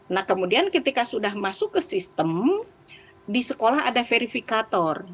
nah kemudian ketika sudah masuk ke sistem di sekolah ada verifikator